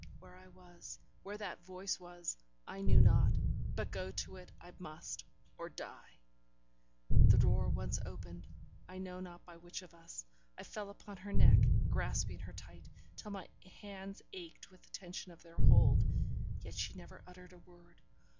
Where I was, where that voice was, I knew not; but go to it I must, or die. The door once opened I know not by which of us I fell upon her neck, grasping her tight, till my hands ached with the tension of their hold. Yet she never uttered a word.